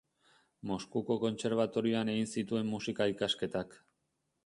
Moskuko kontserbatorioan egin zituen musika ikasketak.